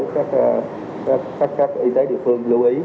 các y tế địa phương lưu ý